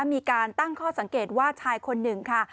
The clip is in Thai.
มีการตั้งข้อสังเกตว่าชายคนหนึ่งค่ะ